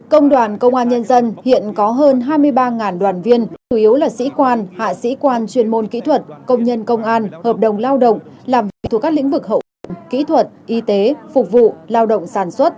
công đoàn công an nhân dân hiện có hơn hai mươi ba đoàn viên chủ yếu là sĩ quan hạ sĩ quan chuyên môn kỹ thuật công nhân công an hợp đồng lao động làm việc thuộc các lĩnh vực hậu cần kỹ thuật y tế phục vụ lao động sản xuất